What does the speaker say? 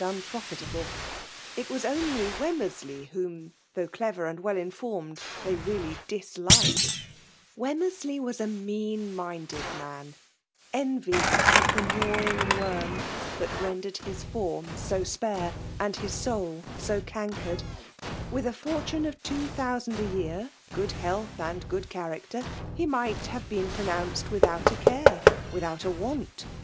unprofitable ; it was onjy Wemmcrsley wbom, FBIIA1.V DOMINATION. 77 though derer and iv€S:l«infornied, they really dUikd, Wemmecslcy was a mean minded, num. ihivy was the gnawing worm that rem* ieetA hn fonsi so spare and hit soul so canr kered. With a forione of two thousand a yean gdod health/ and good character, he might have been pronounced without a care, without a want.